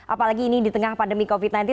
apalagi ini di tengah pandemi covid sembilan belas